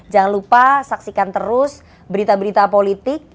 jangan lupa saksikan terus berita berita politik